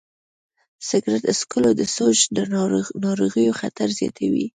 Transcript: سګرټ څکول د سږو ناروغیو خطر زیاتوي.